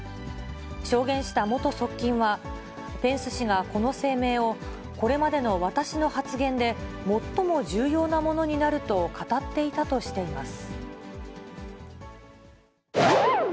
証言した元側近は、ペンス氏がこの声明を、これまでの私の発言で最も重要なものになると語っていたとしています。